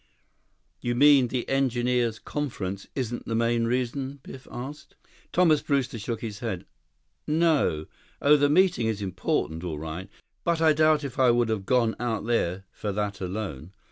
"You mean the Engineers' Conference isn't the main reason?" Biff asked. Thomas Brewster shook his head. "No. Oh, the meeting is important, all right. But I doubt if I would have gone out there for that alone.